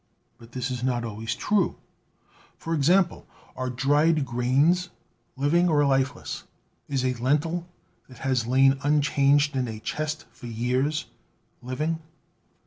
But this is not always true. For example, are dried grains living or lifeless ? Is a lentil that has lain unchanged in a chest for years living?